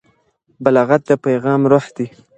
بلاغت د پیغام روح دی.